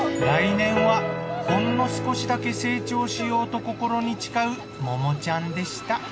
来年はほんの少しだけ成長しようと心に誓う桃ちゃんでした